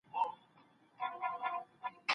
که څېړونکی شکاک نه وي نو درواغ نسي معلومولای.